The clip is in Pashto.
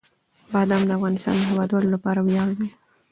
بادام د افغانستان د هیوادوالو لپاره ویاړ دی.